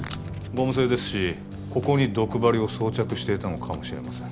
ゴム製ですしここに毒針を装着していたのかもしれません